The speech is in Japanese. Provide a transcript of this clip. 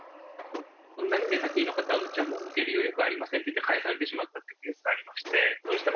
こんなに寝たきりの方は受ける余力はありませんって言われて帰されてしまったというケースがありまして。